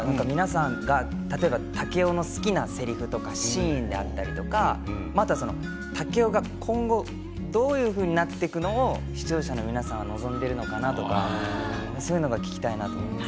竹雄の好きなせりふとかシーンだったりまた竹雄が今後どういうふうになっていくのを視聴者の皆さんは望んでいるのかなとかそういうのが聞きたいと思います。